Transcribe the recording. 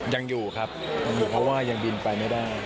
ยังอยู่ครับยังอยู่เพราะว่ายังบินไปไม่ได้